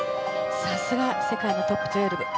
さすが世界のトップ１２。